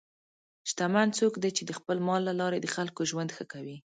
شتمن څوک دی چې د خپل مال له لارې د خلکو ژوند ښه کوي.